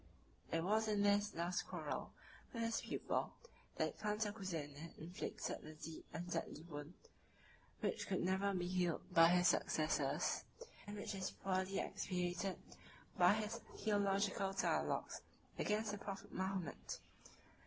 It was in his last quarrel with his pupil that Cantacuzene inflicted the deep and deadly wound, which could never be healed by his successors, and which is poorly expiated by his theological dialogues against the prophet Mahomet.